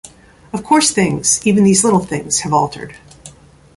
Of course things, even these little things, have altered.